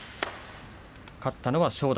勝ったのは正代。